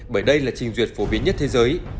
bởi đây là trình duyệt phổ biến nhất thế giới